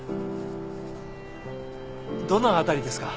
どの辺りですか？